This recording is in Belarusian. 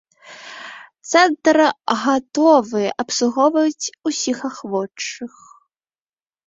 Цэнтр гатовы абслугоўваць усіх ахвочых.